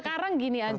bukan sekarang gini aja